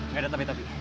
gak ada tapi tapi